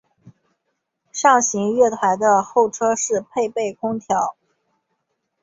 上行月台的候车室配备空调。